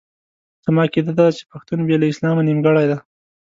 زما عقیده داده چې پښتون بې له اسلام نیمګړی دی.